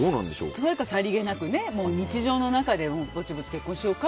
あとはさりげなく日常の中でぼちぼち結婚しようか？